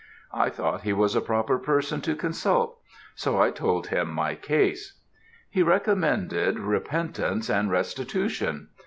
I thought he was a proper person to consult, so I told him my case. He recommended repentance and restitution.